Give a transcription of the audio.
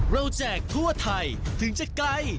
แจกทั่วไทยถึงจะไกล